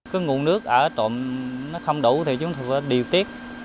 cái nguồn nước ở trộm nó không đủ thì chúng tôi phải điều tiết